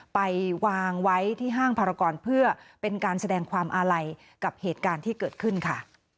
ไปวางไว้ที่ห้างภารกรเพื่อเป็นการแสดงความอาลัยกับเหตุการณ์ที่เกิดขึ้นค่ะ